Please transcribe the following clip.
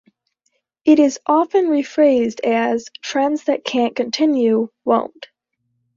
It is often rephrased as: Trends that can't continue, won't.